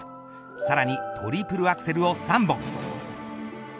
さらにトリプルアクセルを３本。